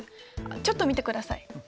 ちょっと見てください。